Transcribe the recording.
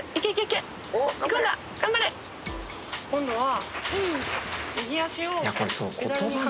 今度は。